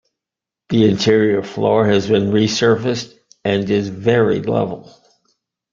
The interior floor has been resurfaced and is very level.